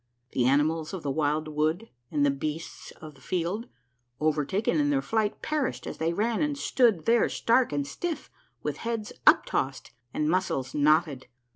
The animals of the wild wood and the beasts of the field, overtaken in their flight, perished as they ran and stood there stark and stiff, with heads uptossed and muscles knotted.